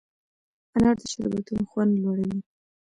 انار د شربتونو خوند لوړوي.